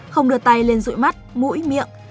không đưa tay lên rụi mắt mũi miệng